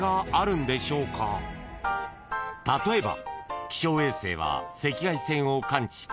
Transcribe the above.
［例えば］